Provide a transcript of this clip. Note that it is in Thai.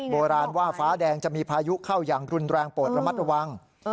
โบราณว่าฟ้าแดงจะมีพายุเข้าอย่างรุนแรงโปรดระมัดระวัง